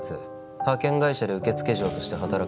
「派遣会社で受付嬢として働くも」